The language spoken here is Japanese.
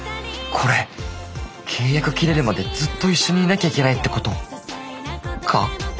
これ契約切れるまでずっと一緒にいなきゃいけないってことか。